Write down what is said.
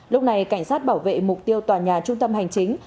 lúc này cảnh sát bảo vệ mục tiêu tòa nhà trung tâm hành chính